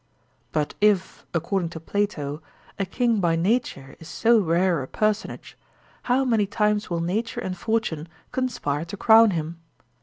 But if, according to Plato, a king by nature is so rare a personage, how many times will nature and fortune conspire to crown him